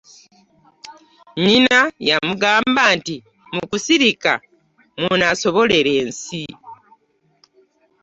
Nnyina yamugamba nti mu kusirika mw'anaasobolera ensi.